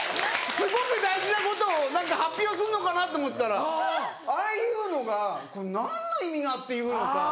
すごく大事なことを何か発表するのかなと思ったらああいうのがこれ何の意味があって言うのか。